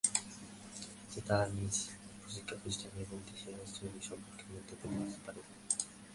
এতে তাঁরা নিজ শিক্ষাপ্রতিষ্ঠান এবং দেশের শিক্ষাব্যবস্থা সর্ম্পকে মন্তব্য লিখতে পারবেন।